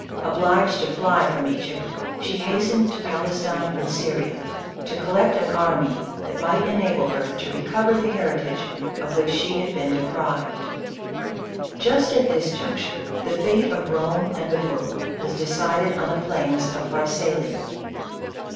Obliged to fly from Egypt, she hastened to Palestine and Syria, to collect an army that might enable her to recover the heritage of which she had been deprived. Just at this juncture, the fate of Rome and of the world was decided on the plains of Pharsalia.